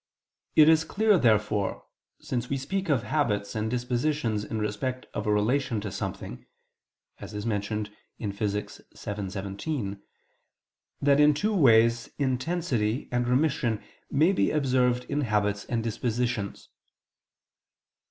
It is clear, therefore, since we speak of habits and dispositions in respect of a relation to something (Phys. vii, text. 17), that in two ways intensity and remission may be observed in habits and dispositions.